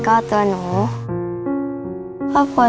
พ่อกับแม่ของหนูก็ไม่มีเงินพาน้องไปผ่าตัดค่ะ